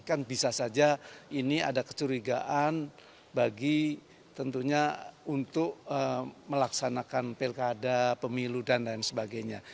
kan bisa saja ini ada kecurigaan bagi tentunya untuk melaksanakan pilkada pemilu dan lain sebagainya